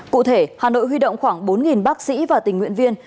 cụ thể hà nội huy động khoảng bốn bác sĩ và tình nguyện viên